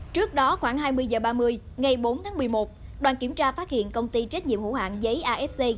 trước đó khoảng hai mươi h ba mươi ngày bốn tháng một mươi một đoàn kiểm tra phát hiện công ty trách nhiệm hữu hạng giấy afc